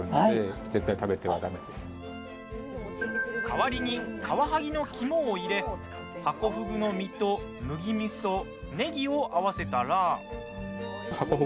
代わりにカワハギの肝を入れハコフグの身と麦みそ、ネギを合わせたら。